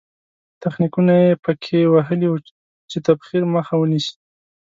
تخنیکونه یې په کې وهلي وو چې تبخیر مخه ونیسي.